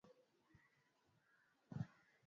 ni kwamba wananchi vile wanachukulia uchaguzi